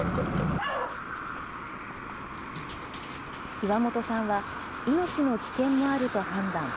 岩本さんは、命の危険もあると判断。